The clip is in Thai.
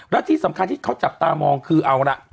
และที่สำคัญที่เขาจับตามองคือเอาล่ะ